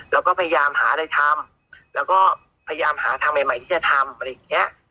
เราก็พยายามหาอะไรทำแล้วก็พยายามหาทางใหม่ที่จะทำอะไรอย่างเงี้ย